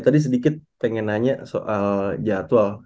tadi sedikit pengen nanya soal jadwal